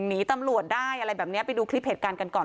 หนีตำรวจได้อะไรแบบนี้ไปดูคลิปเหตุการณ์กันก่อน